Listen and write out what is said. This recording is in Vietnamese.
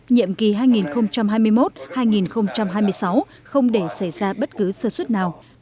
nhiệm kỳ hai nghìn hai mươi một hai nghìn hai mươi sáu không để xảy ra bất cứ sơ xuất nào